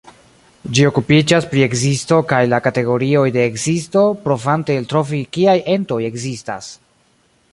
Ĝi okupiĝas pri ekzisto kaj la kategorioj de ekzisto, provante eltrovi kiaj entoj ekzistas.